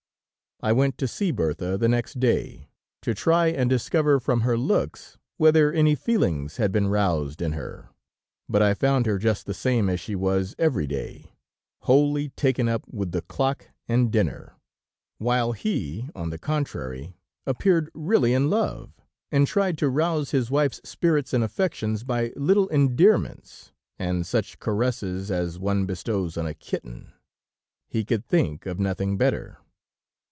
I went to see Bertha the next day, to try and discover from her looks whether any feelings had been roused in her, but I found her just the same as she was every day, wholly taken up with the clock and dinner, while he, on the contrary, appeared really in love, and tried to rouse his wife's spirits and affections by little endearments, and such caresses as one bestows on a kitten. He could think of nothing better.